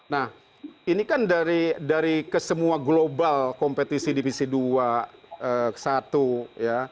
nah ini kan dari kesemua global kompetisi divisi dua ke satu ya